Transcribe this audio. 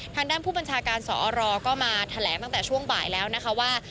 ทางด้านผู้บัญชาการสอรก็มาแถลงตั้งแต่ช่วงบ่ายแล้วนะคะว่า